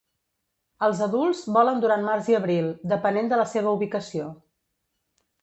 Els adults volen durant març i abril, depenent de la seva ubicació.